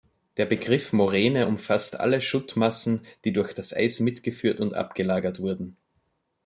Der Begriff Moräne umfasst alle Schuttmassen, die durch das Eis mitgeführt und abgelagert wurden.